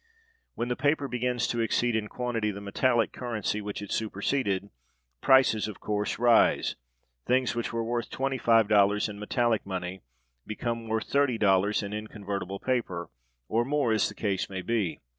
When the paper begins to exceed in quantity the metallic currency which it superseded, prices of course rise; things which were worth $25 in metallic money become worth $30 in inconvertible paper, or more, as the case may be.